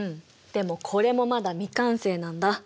でもこれもまだ未完成なんだ。